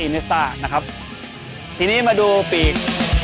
นะครับทีนี้มาดูปลีก